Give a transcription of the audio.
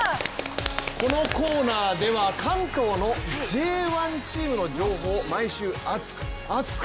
このコーナーでは、関東のＪ１チームの情報を毎週、熱く！